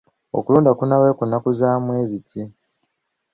Okulonda kunaabaayo ku nnnaku za mwezi ki?